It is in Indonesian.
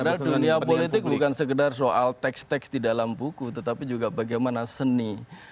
karena dunia politik bukan sekedar soal teks teks di dalam buku tetapi juga bagaimana seni